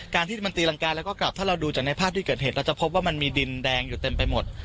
การที่มันตีรังกาแล้วก็กลับถ้าเราดูจากในภาพที่เกิดเหตุเราจะพบว่ามันมีดินแดงอยู่เต็มไปหมด